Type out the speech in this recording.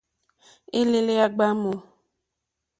Elele ya gbamu.